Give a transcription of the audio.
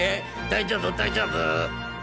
大丈夫大丈夫！